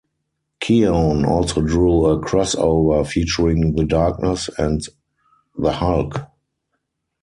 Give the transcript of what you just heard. Keown also drew a crossover featuring The Darkness and the Hulk.